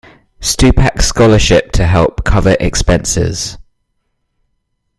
Stupak Scholarship to help cover expenses.